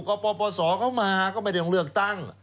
ก็ปปศเขามาก็ไม่ต้องเลือกตั้ง